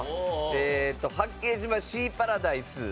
えーっと八景島シーパラダイス。